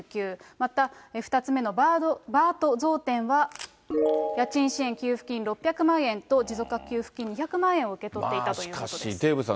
また、２つ目のバートゾーテンは、家賃支援給付金６００万円と、持続化給付金２００万円を受け取っまあしかし、デーブさん、